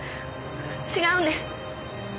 違うんです！